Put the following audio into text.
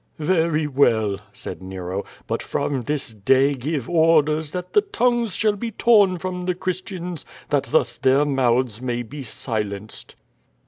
"Very v.ell," said Nero; "but from this day give orders that the tongues shall be torn from the Christians, that thus their mouths may be silenced."